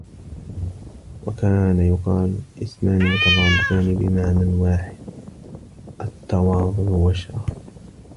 وَكَانَ يُقَالُ اسْمَانِ مُتَضَادَّانِ بِمَعْنًى وَاحِدٍ التَّوَاضُعُ وَالشَّرَفُ